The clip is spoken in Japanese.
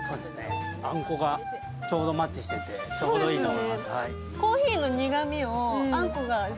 あんこがちょうどマッチしててちょうどいいと思います。